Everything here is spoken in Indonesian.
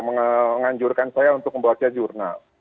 menganjurkan saya untuk membaca jurnal